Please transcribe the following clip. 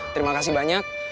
terima kasih banyak